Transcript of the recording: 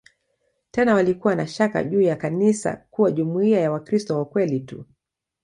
Tena walikuwa na shaka juu ya kanisa kuwa jumuiya ya "Wakristo wa kweli tu".